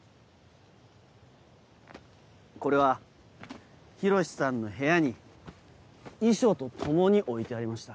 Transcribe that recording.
これは洋さんの部屋に遺書と共に置いてありました。